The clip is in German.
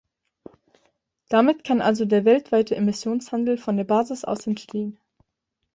Damit kann also der weltweite Emissionshandel von der Basis aus entstehen.